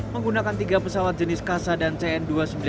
menggunakan tiga pesawat jenis kasa dan cn dua ratus sembilan puluh